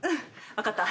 分かった。